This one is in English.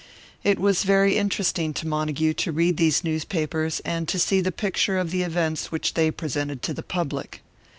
It was very interesting to Montague to read these newspapers and see the picture of events which they presented to the public.